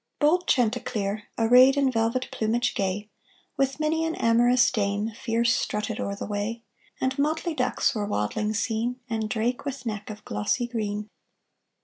Bold chanticleer, arrayed In velvet plumage gay, With many an amorous dame, Fierce strutted o'er the way; And motley ducks Were waddling seen, And drake with neck Of glossy green.